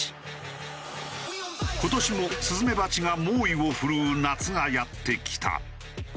今年もスズメバチが猛威を振るう夏がやって来た。